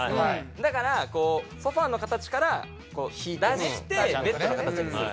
だからソファの形から出してベッドの形にすると。